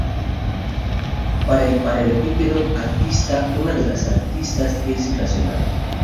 Para el paralelepípedo arista, una de las aristas es irracional.